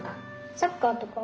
サッカーとか？